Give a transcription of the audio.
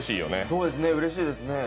そうですねうれしいですね。